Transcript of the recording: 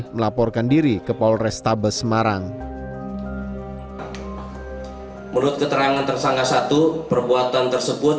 melaporkan diri ke polrestabes semarang menurut keterangan tersangka satu perbuatan tersebut